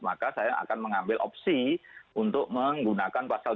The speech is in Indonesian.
maka saya akan mengambil opsi untuk menggunakan pasal tiga puluh enam